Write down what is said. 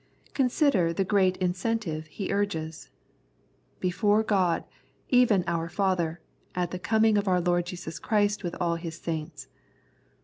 Consider the great incentive he urges —" Before God, even our Father, at the coming of our Lord Jesus Christ with all His saints."